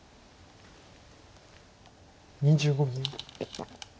２５秒。